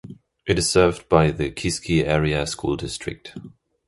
It is served by the Kiski Area School District.